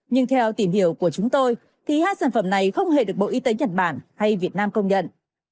nhưng theo tìm hiểu của chúng tôi thì hai sản phẩm này không hề được bộ y tế nhật bản hay việt nam công nhận